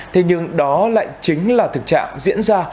thế nhưng đó lại chính là thực trạng diễn ra